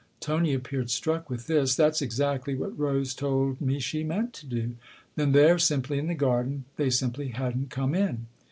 Tony appeared struck with this. " That's exactly what Rose told me she meant to do. Then they're simply in the garden they simply hadn't come in."